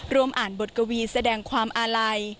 อ่านบทกวีแสดงความอาลัย